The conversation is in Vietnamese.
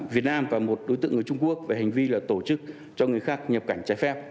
việt nam và một đối tượng người trung quốc về hành vi là tổ chức cho người khác nhập cảnh trái phép